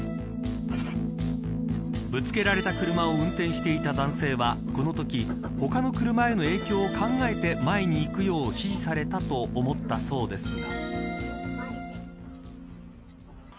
ぶつけられた車を運転していた男性はこのとき、他の車への影響を考えて前に行くよう指示されたと思ったそうですが。